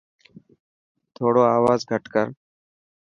ٿوڙو آواز گهٽ ڪر.